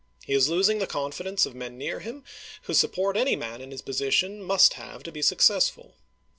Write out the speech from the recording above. He is losing the confidence of men near him, whose support any man in his position must have to be successful.